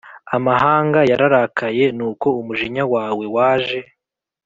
Amahanga yararakaye nuko umujinya wawe waje